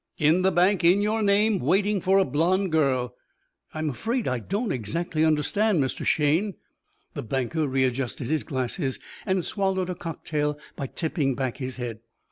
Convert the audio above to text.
"In the bank in your name waiting for a blonde girl." "I'm afraid I don't exactly understand, Mr. Shayne." The banker readjusted his glasses and swallowed a cocktail by tipping back his head.